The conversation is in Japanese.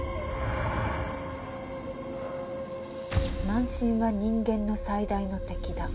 「慢心は人間の最大の敵だ」